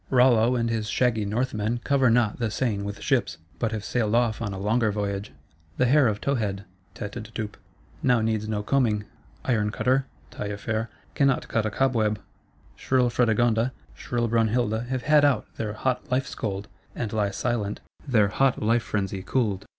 Rollo and his shaggy Northmen cover not the Seine with ships; but have sailed off on a longer voyage. The hair of Towhead (Tête d'étoupes) now needs no combing; Iron cutter (Taillefer) cannot cut a cobweb; shrill Fredegonda, shrill Brunhilda have had out their hot life scold, and lie silent, their hot life frenzy cooled.